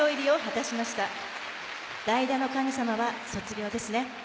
代打の神様は卒業ですね。